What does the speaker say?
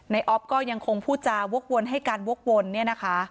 นายอ๊อฟก็ยังคงพูดจาววกวนให้กันวกวน